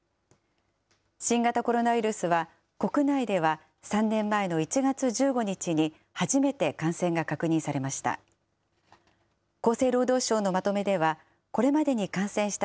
新型コロナウイルスは、国内では３年前の１月１５日に初めて感染が確認されました。